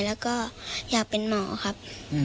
แล้วก็อยากเป็นหมอครับ